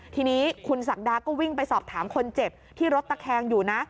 ทีนี้คุณศักดาก็วิ่งไปสอบถามคนเจ็บที่รถตะแคงอยู่นะ